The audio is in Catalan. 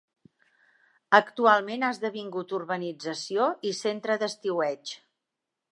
Actualment ha esdevingut urbanització i centre d'estiueig.